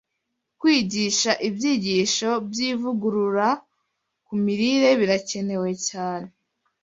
Kwigisha ibyigisho by’ivugurura ku mirire birakenewe cyane.